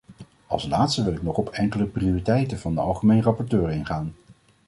Als laatste wil in nog op enkele prioriteiten van de algemeen rapporteur ingaan.